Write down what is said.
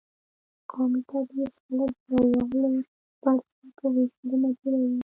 قومي تبعیض خلک د یووالي پر ځای په وېشلو مجبوروي.